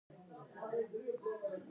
د جوزجان په جرقدوق کې ګاز شته.